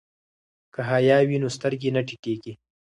که حیا وي نو سترګې نه ټیټیږي.